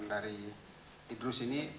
dari music ini